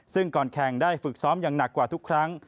ซึ่งก่อนแข่งได้ฝึกซ้อมอย่างหนักกว่าทุกครั้ง